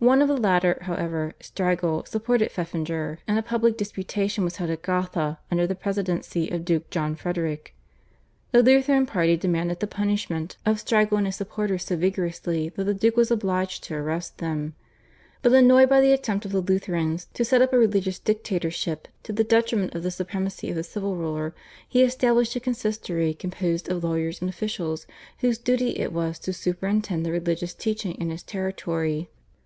One of the latter however, Strigel, supported Pfeffinger, and a public disputation was held at Gotha under the presidency of Duke John Frederick. The Lutheran party demanded the punishment of Strigel and his supporters so vigorously that the Duke was obliged to arrest them, but, annoyed by the attempt of the Lutherans to set up a religious dictatorship to the detriment of the supremacy of the civil ruler, he established a consistory composed of lawyers and officials whose duty it was to superintend the religious teaching in his territory.